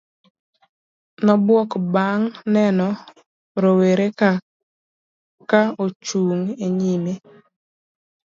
nobuok bang' neno roweraka ka ochung' e nyime